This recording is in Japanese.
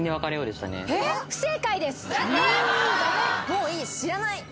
「もういい知らない！」